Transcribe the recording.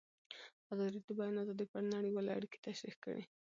ازادي راډیو د د بیان آزادي په اړه نړیوالې اړیکې تشریح کړي.